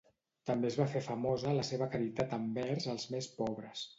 També es va fer famosa la seva caritat envers els més pobres.